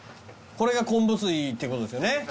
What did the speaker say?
これが昆布水っていうことですよね。